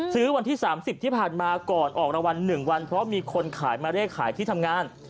วันที่๓๐ที่ผ่านมาก่อนออกรางวัล๑วันเพราะมีคนขายมาเลขขายที่ทำงาน